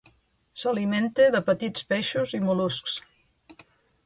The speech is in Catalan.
S'alimenta de petits peixos i mol·luscs.